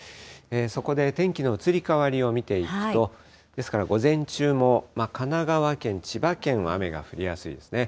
そこで天気の移り変わりを見ていくと、ですから午前中も神奈川県、千葉県は雨が降りやすいですね。